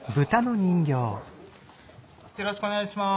よろしくお願いします。